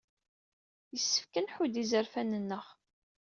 Yessefk ad nḥudd izerfan-nneɣ.